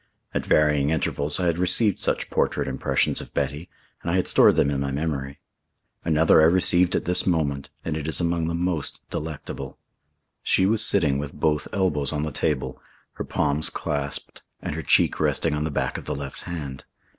At varying intervals I had received such portrait impressions of Betty, and I had stored them in my memory. Another I received at this moment, and it is among the most delectable. She was sitting with both elbows on the table, her palms clasped and her cheek resting on the back of the left hand.